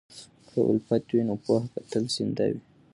که الفت وي، نو پوهه به تل زنده وي.